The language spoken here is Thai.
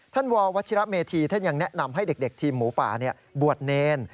ววัชิระเมธีท่านยังแนะนำให้เด็กทีมหมูป่าบวชเนร